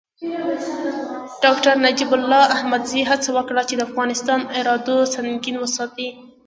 ډاکتر نجیب الله احمدزي هڅه وکړه چې د افغانستان اردو سنګین وساتي.